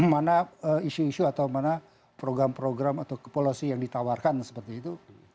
mana isu isu atau mana program program atau kepolosi yang ditawarkan seperti itu